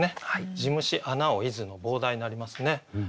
「地虫穴を出づ」の傍題になりますね。